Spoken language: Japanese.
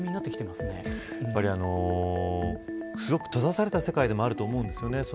すごく閉ざされた世界でもあると思うんです。